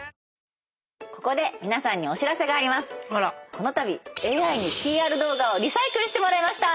このたびＡＩにＰＲ動画をリサイクルしてもらいました！